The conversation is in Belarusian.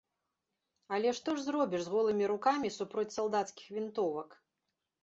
Але што ж зробіш з голымі рукамі супроць салдацкіх вінтовак?